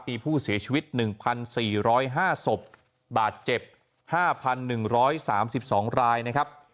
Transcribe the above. มีผู้เสียชีวิต๑๔๐๕ศพบาดเจ็บ๕๑๓๒รายนะครับ